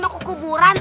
mau ke kuburan